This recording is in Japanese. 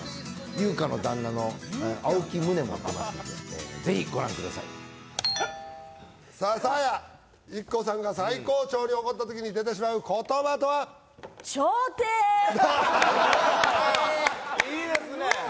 優香の旦那の青木ムネも出ますんでぜひご覧くださいさあサーヤＩＫＫＯさんが最高潮に怒った時に出てしまう言葉とはいいですね